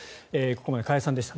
ここまで加谷さんでした。